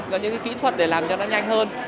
và những cái kỹ thuật để làm cho nó nhanh hơn